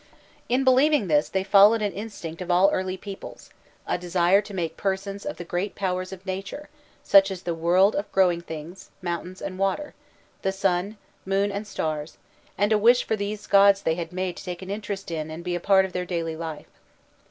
In believing this they followed an instinct of all early peoples, a desire to make persons of the great powers of nature, such as the world of growing things, mountains and water, the sun, moon, and stars; and a wish for these gods they had made to take an interest in and be part of their daily life.